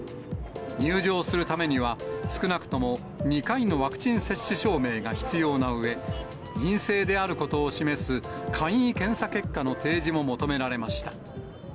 入場するためには、少なくとも２回のワクチン接種証明が必要なうえ、陰性であることを示す簡易検査結果の提示も求められました。